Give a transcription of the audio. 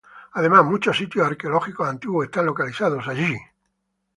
Además, muchos sitios arqueológicos antiguos están localizados allí.